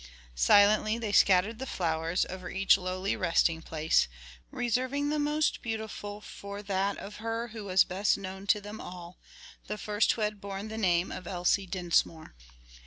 Silently they scattered the flowers over each lowly resting place, reserving the most beautiful for that of her who was best known to them all the first who had borne the name of Elsie Dinsmore.